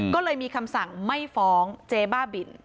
ก็เลยมีคำสั่งไม่ฟ้องเจ๊บ้าบิน